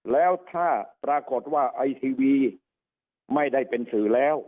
แล้วถ้าปรากฏว่าไอทีวีไม่ได้เป็นสื่อแล้ว